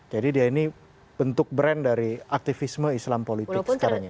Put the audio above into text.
jadi dia ini bentuk brand dari aktivisme islam politik sekarang ini